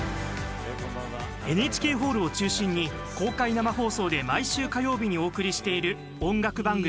ＮＨＫホールを中心に公開生放送で毎週火曜日にお送りしている音楽番組